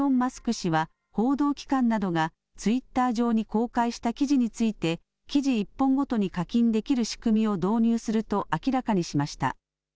氏は報道機関などがツイッター上に公開した記事について記事１本ごとに課金できる仕組みを導入すると明らかにしました。